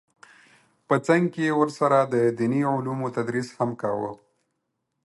په څنګ کې یې ورسره د دیني علومو تدریس هم کاوه